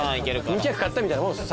２着買ったみたいなもんです。